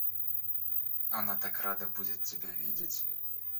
Она так рада будет тебя видеть.